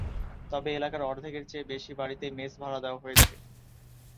তবে এলাকার অর্ধেকের চেয়ে বেশি বাড়িতেই মেস ভাড়া দেওয়া হয়েছে।